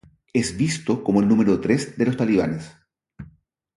Es visto como el "número tres" de los talibanes.